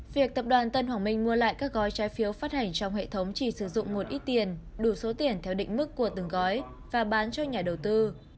việc tập đoàn tân hoàng minh mua lại các gói trái phiếu phát hành trong hệ thống chỉ sử dụng một ít tiền đủ số tiền theo định mức của từng gói và bán cho nhà đầu tư